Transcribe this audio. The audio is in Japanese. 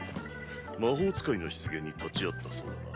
魔法使いの出現に立ち会ったそうだな。